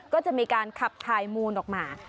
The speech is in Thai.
ก็จะมีการขับถ่ายมูลออกมา